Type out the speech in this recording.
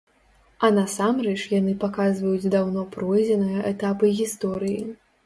А насамрэч яны паказваюць даўно пройдзеныя этапы гісторыі.